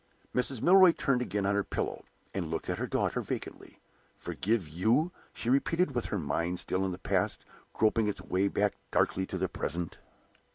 Mrs. Milroy turned again on her pillow, and looked at her daughter vacantly. "Forgive you?" she repeated, with her mind still in the past, groping its way back darkly to the present.